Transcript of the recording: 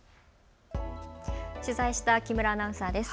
取材した木村アナウンサーです。